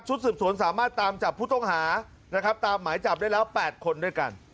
สืบสวนสามารถตามจับผู้ต้องหานะครับตามหมายจับได้แล้ว๘คนด้วยกัน